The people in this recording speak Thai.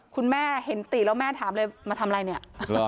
คุณแม่เห็นติแล้วแม่ถามเลยมาทำอะไรเนี่ย